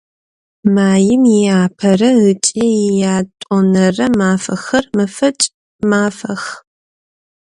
Маим иапэрэ ыкӏи иятӏонэрэ мафэхэр мэфэкӏ мафэх.